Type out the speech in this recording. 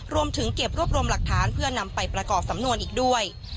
รวมถึงเก็บรวบรวมหลักฐานเพื่อนำไปประกอบสำนวนอีกด้วย